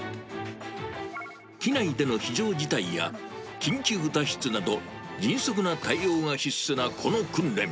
機内での非常事態や、緊急脱出など、迅速な対応が必須なこの訓練。